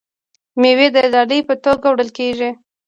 میوې د ډالۍ په توګه وړل کیږي.